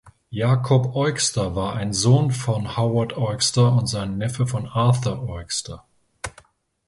Jakob Eugster war ein Sohn von Howard Eugster und Neffe von Arthur Eugster.